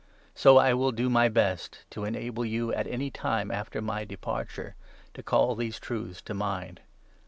So I will do my best to enable you, at any 15 time after my departure, to call these truths to mind.